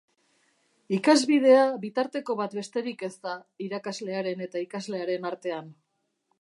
Ikasbidea bitarteko bat besterik ez da irakaslearen eta ikaslearen artean.